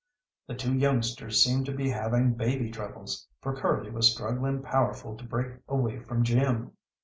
The two youngsters seemed to be having baby troubles, for Curly was struggling powerful to break away from Jim.